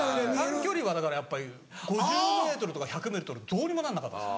短距離はだからやっぱり５０ｍとか１００ｍどうにもなんなかったです。